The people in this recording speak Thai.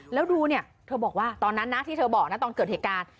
แล้วดูเนี่ยเธอบอกว่าตอนนั้นนะที่เธอบอกนะตอนเกิดเหตุการณ์